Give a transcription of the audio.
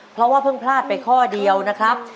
เพราะว่าเพิ่งพลาดไปข้อเดียวนะครับ